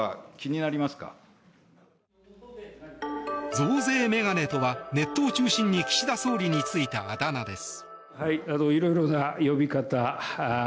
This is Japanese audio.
増税メガネとはネットを中心に岸田総理についた、あだ名です。